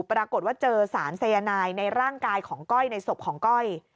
ปรากฏว่าเจอสารสายนายในร่างกายของก้อยในศพของก้อย